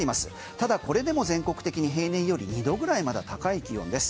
ただ、これでも全国的に平年より２度ぐらいまだ高い気温です。